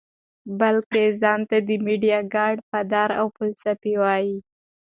بلکه ځان ته د ميډيا ګاډ فادر او فلسفي وائي -